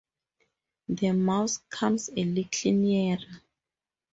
The Mouse comes a little nearer.